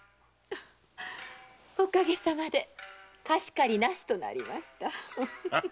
おかげさまで貸し借りなしとなりました。